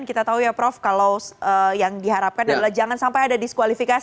dan kita tahu ya prof kalau yang diharapkan adalah jangan sampai ada diskusinya